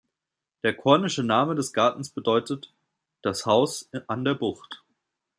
Der kornische Name des Gartens bedeutet "Das Haus an der Bucht".